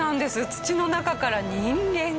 土の中から人間が。